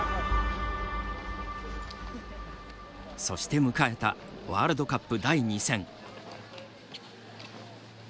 そして迎えたワールドカップ第２戦。